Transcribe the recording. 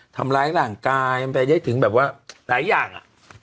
ทำร้ายร่างกายมันไปได้ถึงแบบว่าหลายอย่าง